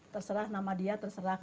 terserah nama dia terserah